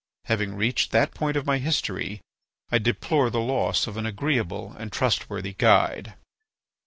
Having reached that point of my history, I deplore the loss of an agreeable and trustworthy guide.